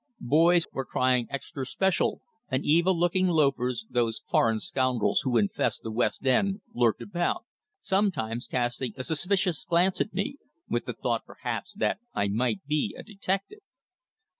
Boys were crying "Extrur spe shull," and evil looking loafers, those foreign scoundrels who infest the West End, lurked about, sometimes casting a suspicious glance at me, with the thought, perhaps, that I might be a detective.